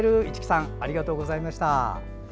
市来さんありがとうございました。